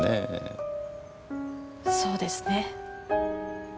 そうですね。